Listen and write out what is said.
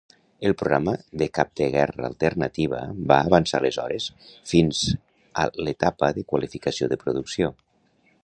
El Programa de Cap de Guerra Alternativa va avançar aleshores fins a l'etapa de qualificació de producció.